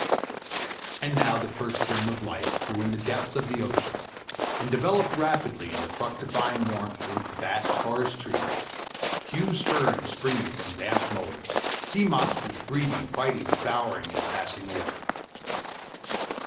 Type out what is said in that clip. And now the first germ of life grew in the depths of the ocean, and developed rapidly in the fructifying warmth into vast forest trees, huge ferns springing from the damp mould, sea monsters breeding, fighting, devouring, and passing away.